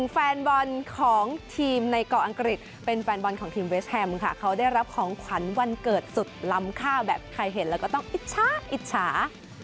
แฟนบอลของทีมในเกาะอังกฤษเป็นแฟนบอลของทีมเวสแฮมค่ะเขาได้รับของขวัญวันเกิดสุดล้ำข้าวแบบใครเห็นแล้วก็ต้องอิจฉาอิจฉา